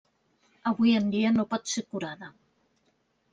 Avui en dia no pot ser curada.